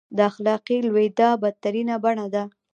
د اخلاقي لوېدا بدترینه بڼه ده.